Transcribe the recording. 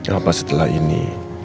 apa setelah ini